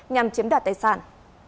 nhằm chiếm đoạt tài sản